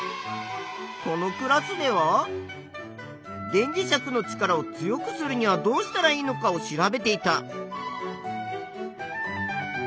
このクラスでは電磁石の力を強くするにはどうしたらいいのかを調べていた。